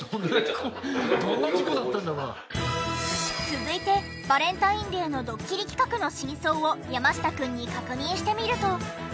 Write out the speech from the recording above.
続いてバレンタインデーのドッキリ企画の真相を山下くんに確認してみると。